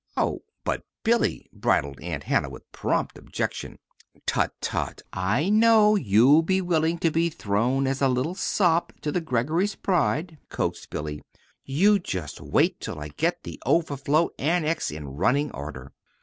"Oh, but Billy," bridled Aunt Hannah, with prompt objection. "Tut, tut! I know you'll be willing to be thrown as a little bit of a sop to the Greggorys' pride," coaxed Billy. "You just wait till I get the Overflow Annex in running order.